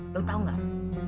lo tau gak